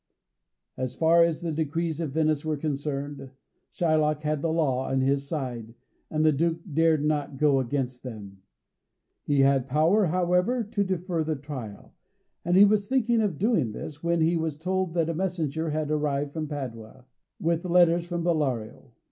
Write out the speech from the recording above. As far as the decrees of Venice were concerned, Shylock had the law on his side, and the Duke dared not go against them. He had power, however, to defer the trial, and he was thinking of doing this, when he was told that a messenger had arrived from Padua, with letters from Bellario.